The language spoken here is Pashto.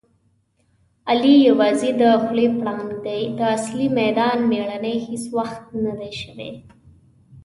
علي یووازې د خولې پړانګ دی. د اصلي میدان مېړنی هېڅ وخت ندی شوی.